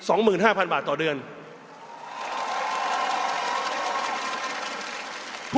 ทุกคนจะเห็นการกระตุ้นเศรษฐกิจที่ดีที่สุดในโลก